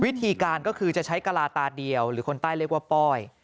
วิธีการก็คือจะใช้กะลาตาเดียวหรือคนใต้เรียกว่าป้อย